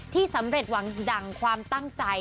สำเร็จหวังดั่งความตั้งใจ